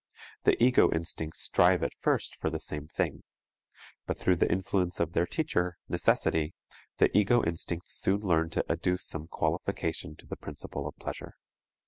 The ego instincts strive at first for the same thing. But through the influence of their teacher, necessity, the ego instincts soon learn to adduce some qualification to the principle of pleasure.